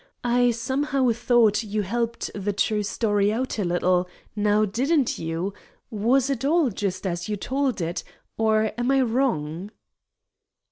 I somehow thought you helped the true story out a little. Now didn't you? Was it all just as you told it? Or am I wrong?"